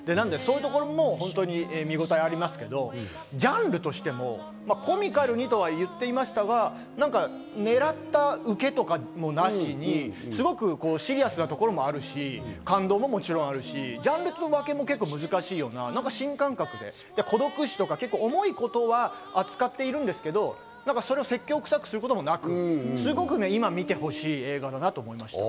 そういうところも見応えありますけど、ジャンルとしてもコミカルにとは言っていましたが、狙ったウケとかもなしに、すごくシリアスなところもあるし、感動ももちろんあるし、ジャンル分けも結構難しいような新感覚で孤独死とか重いことは扱っているんですけど、それを説教臭くすることもなく、すごく今見てほしい映画だなと思いました。